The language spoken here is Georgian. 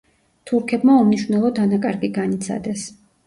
თურქებმა უმნიშვნელო დანაკარგი განიცადეს.